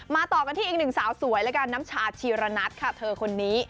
ต่อกันที่อีกหนึ่งสาวสวยแล้วกันน้ำชาชีรณัทค่ะเธอคนนี้